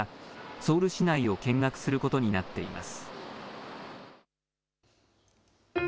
ソウル市内を見学することになっています。